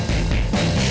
aku mau ngapain